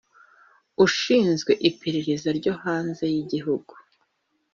ushinzwe iperereza ryo hanze y’igihugu